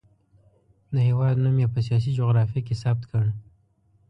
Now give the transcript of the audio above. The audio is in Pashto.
د هېواد نوم یې په سیاسي جغرافیه کې ثبت کړ.